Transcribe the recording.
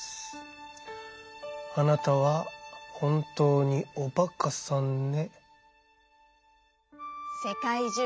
あなたは本当におバカさんね」。